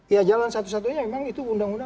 ya jalan satu satunya memang itu undang undang